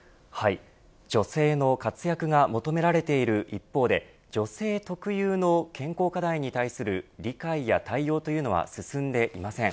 女性の活躍が求められている一方で女性特有の健康課題に対する理解や対応というのは進んでいません。